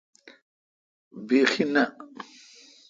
بیخی نہ۔